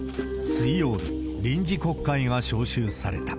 水曜日、臨時国会が召集された。